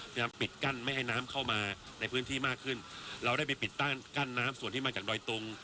ยังปิดกั้นไม่ให้น้ำเข้ามาในพื้นที่มากขึ้นเราได้ไปปิดกั้นน้ำส่วนที่มาจากดอยตุง